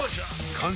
完成！